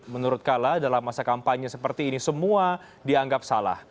menurut kala dalam masa kampanye seperti ini semua dianggap salah